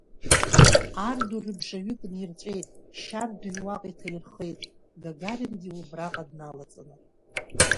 Ар ду рыбжаҩык нирҵәеит, шьардаҩ уаҟа иҭаирхеит, Гагарингьы убраҟа дналаҵаны.